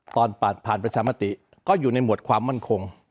ตอนผ่านประชามติก็อยู่ในหมวดความมั่นคง